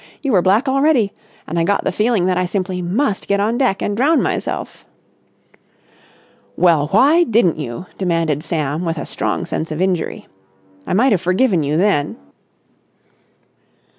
You were black already—and I got the feeling that I simply must get on deck and drown myself." "Well, why didn't you?" demanded Sam with a strong sense of injury. "I might have forgiven you then.